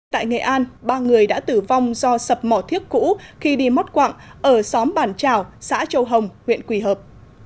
tại nghệ an ba người đã tử vong do sập mỏ thiếc cũ khi đi mót quặng ở xóm bản trào xã châu hồng huyện quỳ hợp